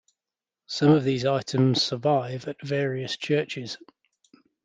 Some of these items survive at various churches.